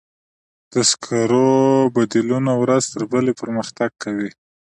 د سکرو بدیلونه ورځ تر بلې پرمختګ کوي.